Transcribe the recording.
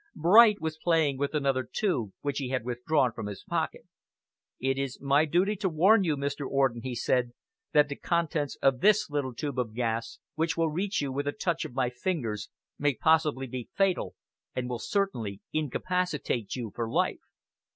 Bright was playing with another tube which he had withdrawn from his pocket. "It is my duty to warn you, Mr. Orden," he said, "that the contents of this little tube of gas, which will reach you with a touch of my fingers, may possibly be fatal and will certainly incapacitate you for life."